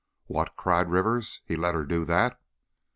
"What!" cried Rivers, "he let her do that!"